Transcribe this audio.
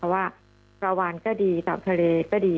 ว่าปลาวานก็ดีตามทะเลก็ดี